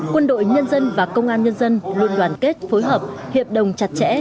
quân đội nhân dân và công an nhân dân luôn đoàn kết phối hợp hiệp đồng chặt chẽ